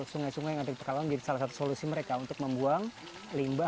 sungai sungai yang ada di pekalongan menjadi salah satu solusi mereka untuk membuang limbah